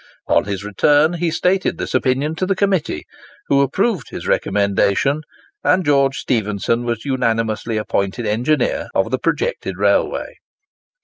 On his return he stated this opinion to the Committee, who approved his recommendation, and George Stephenson was unanimously appointed engineer of the projected railway.